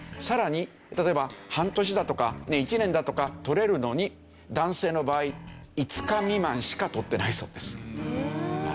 さらに例えば半年だとか１年だとか取れるのに男性の場合５日未満しか取ってないそうです。